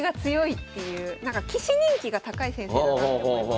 棋士人気が高い先生だなって思いますね。